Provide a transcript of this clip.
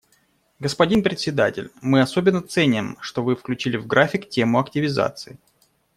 Господин Председатель, мы особенно ценим, что вы включили в график тему активизации.